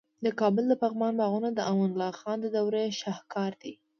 د کابل د پغمان باغونه د امان الله خان د دورې شاهکار دي